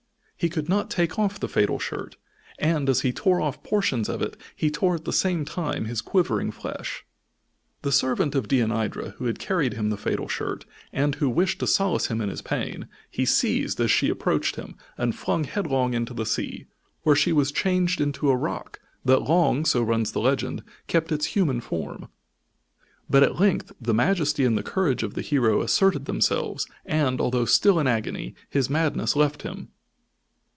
He could not take off the fatal shirt, and as he tore off portions of it he tore, at the same time, his quivering flesh. The servant of Deianira who had carried him the fatal shirt, and who wished to solace him in his pain, he seized as she approached him and flung headlong into the sea, where she was changed into a rock that long, so runs the legend, kept its human form. But at length the majesty and the courage of the hero asserted themselves, and, although still in agony, his madness left him.